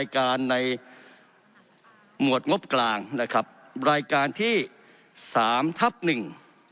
การทับหนึ่ง